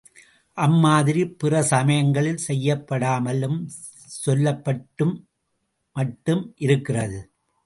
அம்மாதிரி பிற சமயங்களில் செய்யப்படாமல், சொல்லப்பட்டு மட்டும் இருக்கிறது.